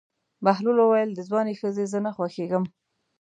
بهلول وویل: د ځوانې ښځې زه نه خوښېږم.